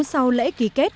sau lễ ký kết